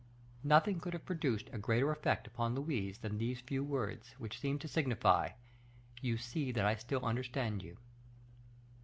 Nothing could have produced a greater effect upon Louise than these few words, which seemed to signify, "You see that I still understand you."